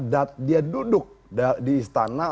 duduk di istana